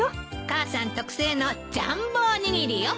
母さん特製のジャンボおにぎりよ。